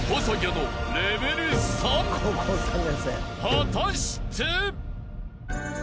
［果たして］